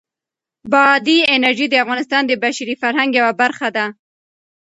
بادي انرژي د افغانستان د بشري فرهنګ یوه برخه ده.